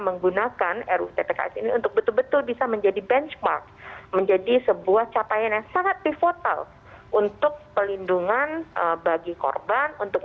memastikan akses keadilan yang lebih baik memastikan pemulihannya juga